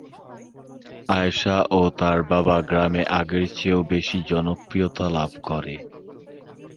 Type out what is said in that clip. আয়শা ও তার বাবা গ্রামে আগের চেয়েও বেশি জনপ্রিয়তা লাভ করে।